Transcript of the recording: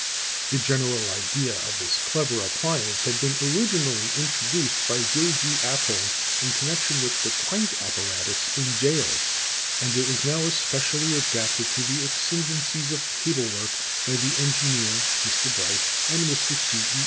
The general idea of this clever appliance had been originally introduced by Mr. J. G. Appold in connection with the crank apparatus in jails; and it was now especially adapted to the exigencies of cable work by the engineer (Mr. Bright) and Mr. C. E.